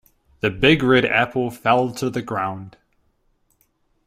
The big red apple fell to the ground.